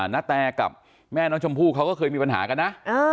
นาแตกับแม่น้องชมพู่เขาก็เคยมีปัญหากันนะ